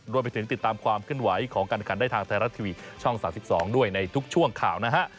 รวมไปถึงติดตามความเคลื่อนไหวของการขันได้ทางไทยรัฐทีวีช่อง๓๒ด้วยในทุกช่วงข่าวนะฮะ